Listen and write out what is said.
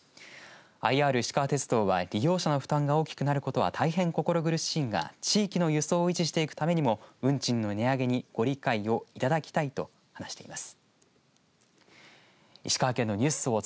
ＩＲいしかわ鉄道は利用者の負担が大きくなることは大変心苦しいが地域の輸送を維持していくためにも運賃の値上げにご理解いただきたいと話しています。